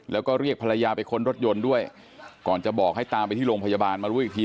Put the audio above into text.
แล้วก็เรียกภรรยาไปค้นรถยนต์ด้วยก่อนจะบอกให้ตามไปที่โรงพยาบาลมารู้อีกที